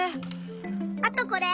あとこれ！